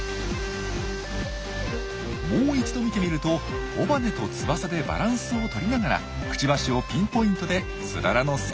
もう一度見てみると尾羽と翼でバランスを取りながらくちばしをピンポイントでツララの先端へ。